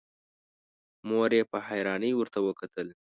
مور يې په حيرانی ورته وکتل.